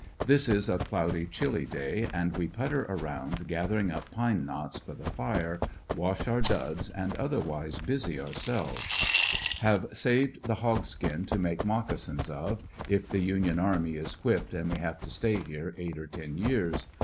This is a cloudy, chilly day, and we putter around gathering up pine knots for the fire, wash our duds and oth erwise busy ourselves. Have saved the hog skin to make moccasins of, if the Union army is whipped and we have to stay here eight or ten years.